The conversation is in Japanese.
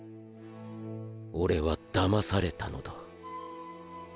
俺は騙されたのだ。